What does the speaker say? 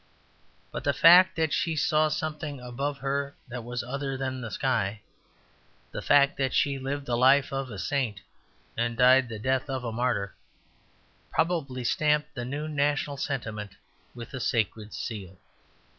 But the fact that she saw something above her that was other than the sky, the fact that she lived the life of a saint and died the death of a martyr, probably stamped the new national sentiment with a sacred seal.